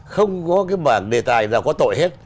không có cái bảng đề tài nào có tội hết